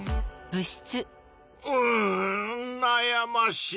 うんなやましい。